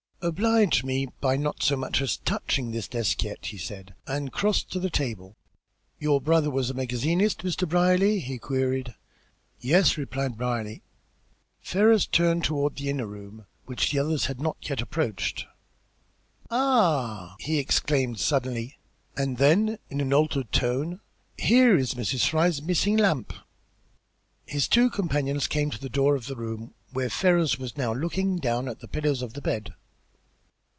"Oblige me by not so much as touching this desk yet," he said, and crossed to the table. "Your brother was a magazinist, Mr. Brierly?" he queried. "Yes," replied Brierly. Ferrars turned toward the inner room which the others had not yet approached. "Ah!" he exclaimed suddenly, and then, in an altered tone, "Here is Mrs. Fry's missing lamp." His two companions came to the door of the room, where Ferrars was now looking down at the pillows of the bed.